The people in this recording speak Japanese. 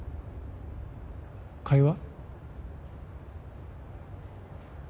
会話？